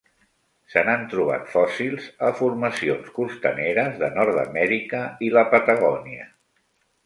Se n'han trobat fòssils a formacions costaneres de Nord-amèrica i la Patagònia.